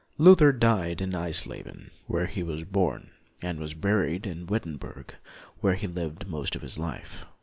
Luther died in Eisleben, where he was born, and was buried in Wittenberg, where he lived most of his life.